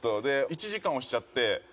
で１時間押しちゃって。